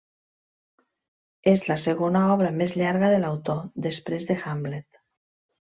És la segona obra més llarga de l'autor, després de Hamlet.